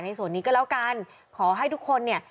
ส่วนนี้ก็แล้วกันขอให้ทุกคนเนี่ย